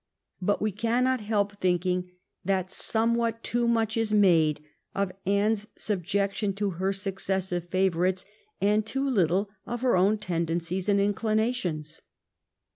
But we cannot help thinking that somewhat too much is made of Anne's subjection to her successive favorites and too little of her own tendencies and inclinations.